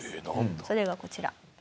それがこちら。